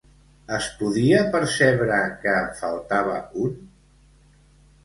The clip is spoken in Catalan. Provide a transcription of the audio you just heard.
Es podia percebre que en faltava un?